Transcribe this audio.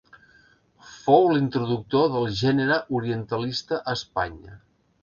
Fou l'introductor del gènere orientalista a Espanya.